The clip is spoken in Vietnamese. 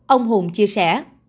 ông hùng chia sẻ